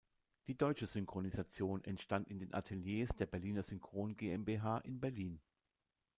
Die deutsche Synchronisation entstand in den Ateliers der Berliner Synchron GmbH in Berlin.